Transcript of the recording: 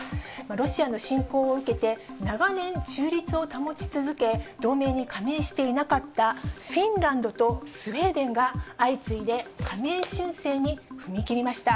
ロシアの侵攻を受けて、長年、中立を保ち続け、同盟に加盟していなかったフィンランドとスウェーデンが、相次いで加盟申請に踏み切りました。